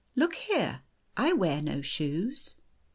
Look here. I wear no shoes."